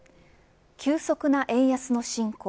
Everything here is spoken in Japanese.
急速な円安の進行。